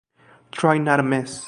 Try not to miss.